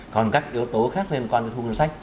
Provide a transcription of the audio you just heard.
còn các yếu tố khác liên quan tới thu hương sách